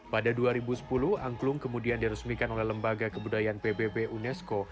pada dua ribu sepuluh angklung kemudian diresmikan oleh lembaga kebudayaan pbb unesco